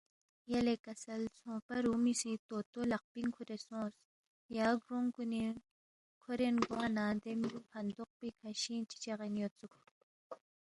یلے کسل ژھونگپا رُومی سی طوطو لقپِنگ کُھورے سونگس یا گرونگ کُنِنگ کھورین گوا نہ دے میُو ہندوق پیکھہ شِنگ چی چَغین یودسُوک